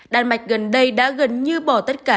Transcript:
đan mạch gần đây đã gần như bỏ tất cả